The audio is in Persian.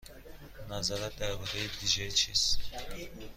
نظرت درباره دی جی چیست؟